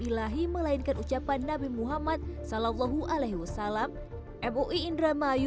al zahir melainkan ucapan nabi muhammad shallallahu alaihi wasallam emoi indramayu